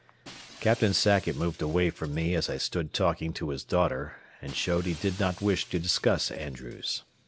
Captain Sackett moved away from me as I stood talking to his daughter and showed he did not wish to discuss Andrews.